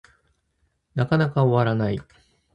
なかなか終わらない